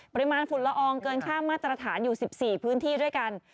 ปริมาณฝุ่นละอองเกินค่ามาตรฐานอยู่๑๔พื้นที่ด้วยกัน